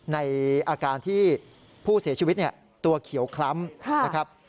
ในอาการที่ผู้เสียชีวิตตัวเขียวคล้ำนะครับ